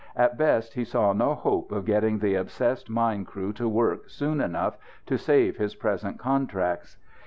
At best he saw no hope of getting the obsessed mine crew to work soon enough to save his present contracts.